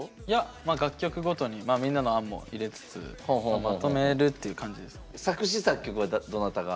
いや楽曲ごとにみんなの案も入れつつまとめるっていう感じです。